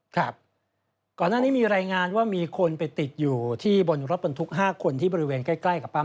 ครับก่อนหน้านี้มีรายงานว่ามีคนไปติดอยู่ที่บนรถบรรทุก๕คนที่บริเวณใกล้กับปั๊ม